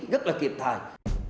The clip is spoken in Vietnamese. rất là kịp thời